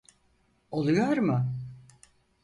Oluyor mu?